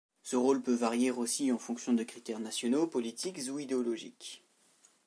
Ce rôle peut varier aussi en fonction de critères nationaux, politiques ou idéologiques.